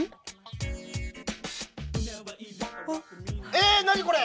え何これ？